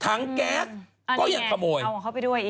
แก๊สก็ยังขโมยเอาของเขาไปด้วยอีก